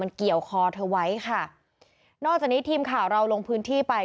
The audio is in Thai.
มันเกี่ยวคอเธอไว้ค่ะนอกจากนี้ทีมข่าวเราลงพื้นที่ไป